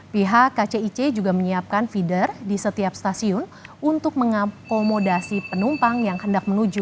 pihak kcic juga menyiapkan feeder di setiap stasiun untuk mengakomodasi penumpang yang hendak menuju